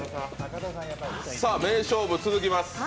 名勝負、続きます。